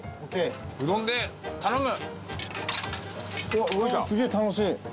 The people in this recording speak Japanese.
土屋：うどんで頼む！